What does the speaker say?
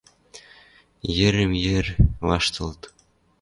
Йӹрӹм-йӹр ваштылыт.